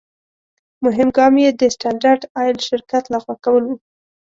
مهم ګام یې د سټنډرد آیل شرکت لغوه کول و.